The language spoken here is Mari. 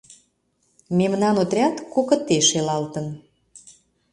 Мемнан отряд кокыте шелалтын.